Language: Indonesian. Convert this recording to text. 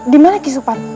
di mana kisupan